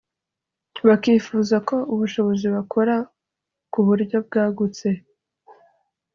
bakifuza ko ubushobozi bakora ku buryo bwagutse